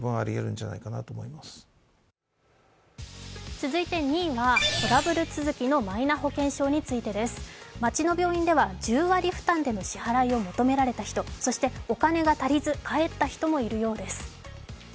続いて２位は、トラブル続きのマイナ保険証についてです。街の病院では１０割負担での負担を求められた人、そして、お金が足りず帰った人もいるようです。